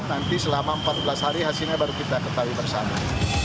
nanti selama empat belas hari hasilnya baru kita ketahui bersama